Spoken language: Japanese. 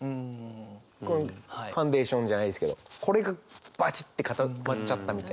このファンデーションじゃないですけどこれがバチッて固まっちゃったみたいな。